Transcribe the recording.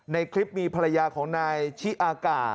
ในคลิปมีภรรยาของนายชิอากา